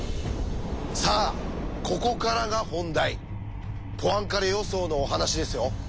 さあここからが本題ポアンカレ予想のお話ですよ。